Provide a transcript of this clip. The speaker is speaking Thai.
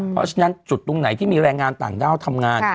เพราะฉะนั้นจุดตรงไหนที่มีแรงงานต่างด้าวทำงาน